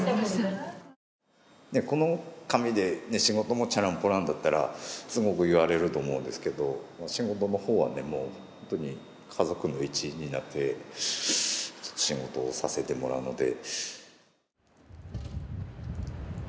この髪で仕事もちゃらんぽらんだったらすごく言われると思うんですけど仕事のほうはねもう本当に家族の一員になって仕事をさせてもらうので。